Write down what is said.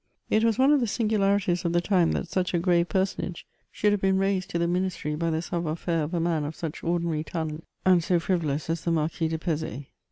It was one of the singularities of the time that such a graye personage should have been i aised to the ministry by the savoir faire of a man of such ordinary talent and so frivolous as the Marquis de Pezay.